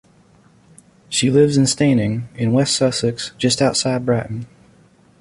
She lives in Steyning, in West Sussex, just outside Brighton.